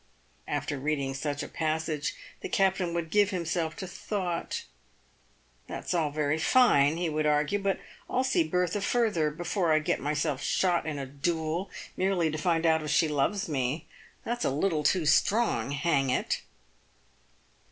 After reading such a passage, the captain would give himself to thought. " That's all very fine," he would argue, " but I'll see Bertha further, before I get myself shot in a duel merely to find out if she loves me. That's a little too strong, hang it